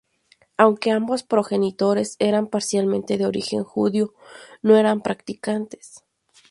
Aunque ambos progenitores eran parcialmente de origen judío, no eran practicantes.